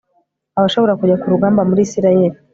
abashobora kujya ku rugamba muri Isirayeli